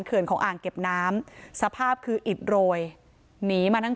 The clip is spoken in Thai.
ของอ่างเก็บน้ำสภาพคืออิดโรยหนีมาทั้ง